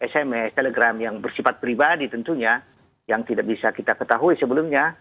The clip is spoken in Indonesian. sms telegram yang bersifat pribadi tentunya yang tidak bisa kita ketahui sebelumnya